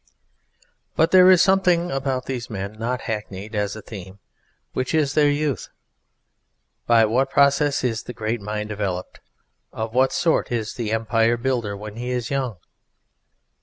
But there is something about these men not hackneyed as a theme, which is their youth. By what process is the great mind developed? Of what sort is the Empire Builder when he is young?